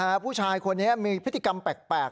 ผู้ชายคนนี้มีพฤติกรรมแปลก